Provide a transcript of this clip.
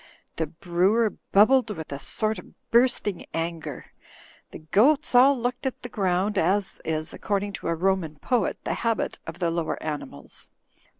The brewer bubbled with a sort of bursting anger. The goats all looked at the ground as is, according to a Roman poet, the habit of the lower animals.